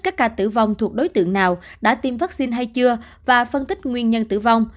các ca tử vong thuộc đối tượng nào đã tiêm vaccine hay chưa và phân tích nguyên nhân tử vong